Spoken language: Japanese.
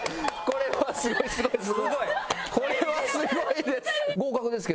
これはすごいです。